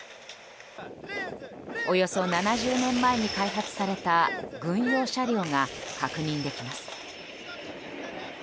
およそ７０年前に開発された軍用車両が確認できます。